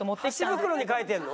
箸袋に書いてるの？